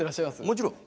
もちろん。